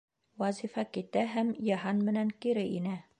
Вазифа китә һәм Йыһан менән кире инә.